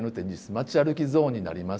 まちあるきゾーンになります。